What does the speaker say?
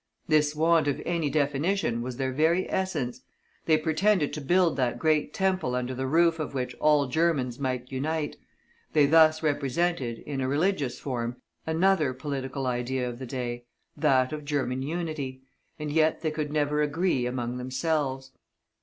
This want of any definition was their very essence; they pretended to build that great temple under the roof of which all Germans might unite; they thus represented, in a religious form, another political idea of the day that of German unity, and yet they could never agree among themselves.